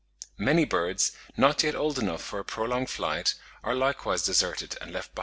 Many birds, not yet old enough for a prolonged flight, are likewise deserted and left behind.